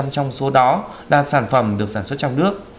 sáu mươi sáu mươi năm trong số đó là sản phẩm được sản xuất trong nước